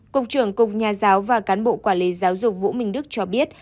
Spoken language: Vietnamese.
cục trưởng cục nhà giáo và cán bộ quản lý giáo dục vũ minh đức cho biết